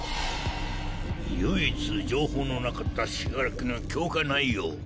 唯一情報のなかった死柄木の強化内容！